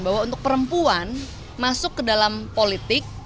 bahwa untuk perempuan masuk ke dalam politik